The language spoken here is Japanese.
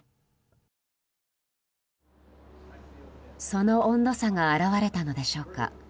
その温度差が表れたのでしょうか。